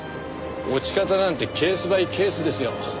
落ち方なんてケース・バイ・ケースですよ。